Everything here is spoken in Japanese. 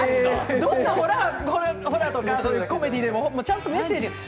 どんなホラーとかコメディーでもちゃんとメッセージ。